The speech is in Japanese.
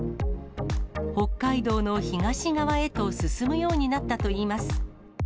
北海道の東側へと進むようになったといいます。